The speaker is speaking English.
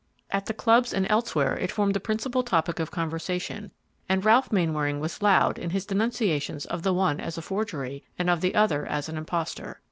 At the clubs and elsewhere it formed the principal topic of conversation, and Ralph Mainwaring was loud in his denunciations of the one as a forgery, and of the other as an impostor.